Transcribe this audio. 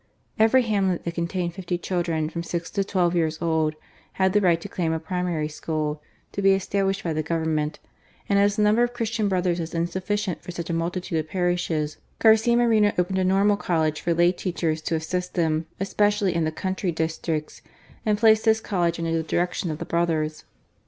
Every hamlet that contained fifty children from six to twelve years old, had the right to claim a primary school, to be established by the Government; and as the number of Christian Brothers was insuflicient for such a multitude of parishes, Garcia Moreno opened a Normal College for lay teachers to assist them, especially in the country districts, and placed this College under the direction of the Brothers.